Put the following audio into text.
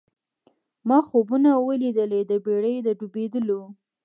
ما خوبونه وه لیدلي د بېړۍ د ډوبېدلو